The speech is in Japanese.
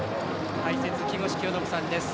解説、木越清信さんです。